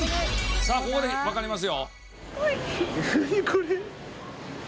さあここでわかりますよ。